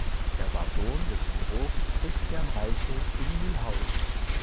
Er war Sohn des Chirurgus Christian Reichel in Mühlhausen.